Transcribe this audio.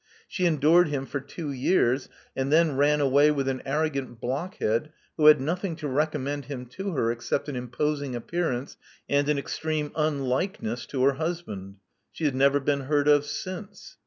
She endured him for two years, and then ran away with an arrogant blockhead who had nothing to recommend him to her except an imposing appearance and an extreme unlikeness to her husband. She has never been heard of since.